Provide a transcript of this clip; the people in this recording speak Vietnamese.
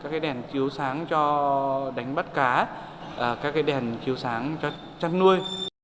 các đèn chiếu sáng cho đánh bắt cá các cái đèn chiếu sáng cho chăn nuôi